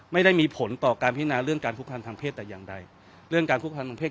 ไม่ได้มีผลต่อการพิจารณาเรื่องการคุกคามทางเพศแต่อย่างใดเรื่องการคุกคามทางเศษ